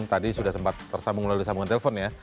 tadi sudah sempat tersambung lalu disambungkan telepon ya